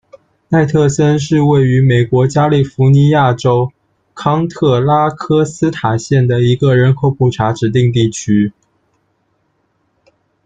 奈特森是位于美国加利福尼亚州康特拉科斯塔县的一个人口普查指定地区。